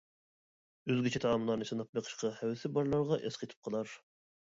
ئۆزگىچە تائاملارنى سىناپ بېقىشقا ھەۋىسى بارلارغا ئەسقېتىپ قالار.